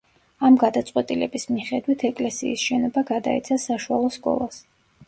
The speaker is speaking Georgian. ამ გადაწყვეტილების მიხედვით ეკლესიის შენობა გადაეცა საშუალო სკოლას.